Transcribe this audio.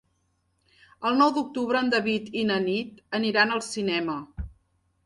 El nou d'octubre en David i na Nit aniran al cinema.